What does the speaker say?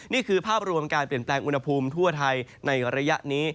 นี่คือภาพรวมการเปลี่ยนแปลงอุณหภูมิทั่วไทยในระยะนี้